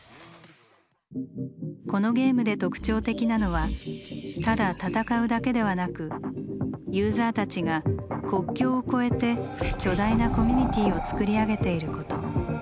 このゲームで特徴的なのはただ「戦う」だけではなくユーザーたちが国境を超えて巨大なコミュニティーを作り上げていること。